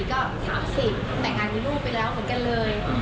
ก็สามสิบแบ่งงานรู้รูปไปแล้วเหมือนกันเลย